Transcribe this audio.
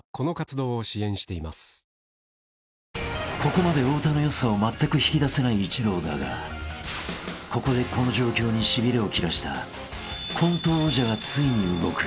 ［ここまで太田の良さをまったく引き出せない一同だがここでこの状況にしびれを切らしたコント王者がついに動く］